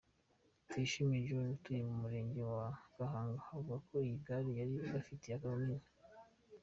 Tuyishime John utuye mu Murenge wa Gahanga, avuga ko iyi gare yari ibafatiye runini.